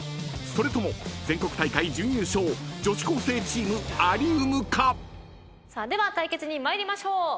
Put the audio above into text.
［それとも全国大会準優勝女子高生チームアリウムか］では対決に参りましょう。